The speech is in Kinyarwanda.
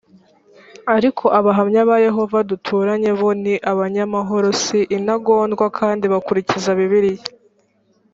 ariko abahamya ba yehova duturanye bo ni abanyamahoro si intagondwa kandi bakurikiza bibiliya